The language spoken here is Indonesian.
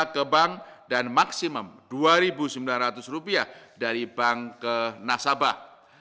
tiga ke bank dan maksimum rp dua sembilan ratus dari bank ke nasabah